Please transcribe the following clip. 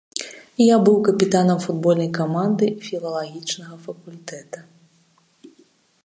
Я быў капітанам футбольнай каманды філалагічнага факультэта.